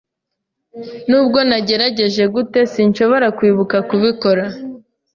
Nubwo nagerageza gute, sinshobora kwibuka kubikora.